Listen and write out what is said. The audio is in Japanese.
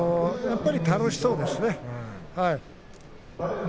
やっぱり楽しそうですね。